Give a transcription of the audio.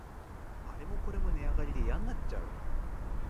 あれもこれも値上がりでやんなっちゃう